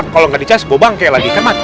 kalau nggak dicas bobang kayak lagi kan mati